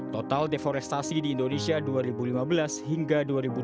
total deforestasi di indonesia dua ribu lima belas hingga dua ribu tujuh belas